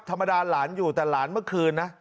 ธรรมดาหลานอยู่แต่หลานเมื่อคืนนะ